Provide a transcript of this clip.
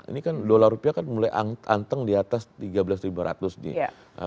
ini kan dolar rupiah kan mulai anteng di atas tiga belas lima ratus nih